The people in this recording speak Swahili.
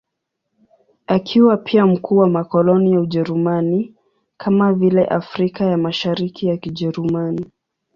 Akiwa pia mkuu wa makoloni ya Ujerumani, kama vile Afrika ya Mashariki ya Kijerumani.